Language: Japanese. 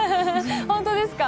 本当ですか？